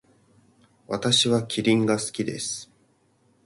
私はキリンが好きです。